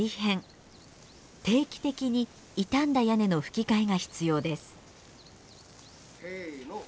定期的に傷んだ屋根のふき替えが必要です。